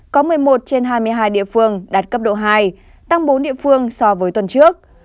có một mươi một trên hai mươi hai địa phương đạt cấp độ hai tăng bốn địa phương so với tuần trước